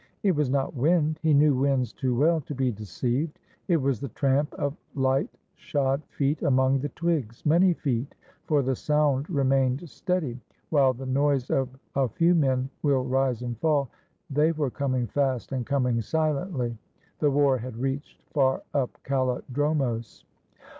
It was not wind; he knew w^nds too well to be de ceived. It was the tramp of light shod feet among the twigs — many feet, for the sound remained steady, 99 GREECE while the noise of a few men will rise and fall. They were coming fast and coming silently. The war had reached far up KalUdromos.